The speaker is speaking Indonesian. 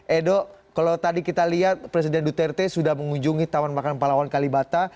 edo kalau tadi kita lihat presiden duterte sudah mengunjungi taman makan pahlawan kalibata